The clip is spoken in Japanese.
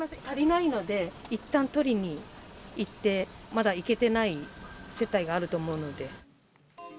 足りないので、いったん取りに行って、まだ行けてない世帯があると思うので。